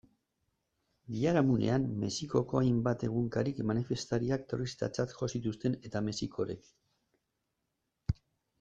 Biharamunean, Mexikoko hainbat egunkarik manifestariak terroristatzat jo zituzten eta Mexikoren.